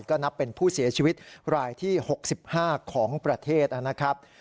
ก็นับเป็นผู้เสียชีวิตรายที่๖๕ของประเทศนะครับ